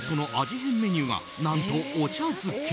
変メニューが何とお茶漬け。